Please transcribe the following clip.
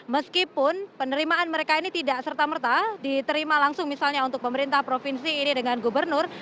meskipun penerimaan mereka ini tidak serta merta diterima langsung misalnya untuk pemerintah provinsi ini dengan gubernur